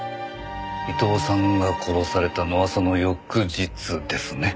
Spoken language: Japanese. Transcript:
伊藤さんが殺されたのはその翌日ですね。